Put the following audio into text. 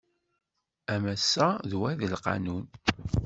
A massa d wa i d lqanun.